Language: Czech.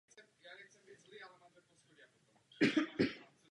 Situace někdy připomíná argentinské tango a brazilskou sambu.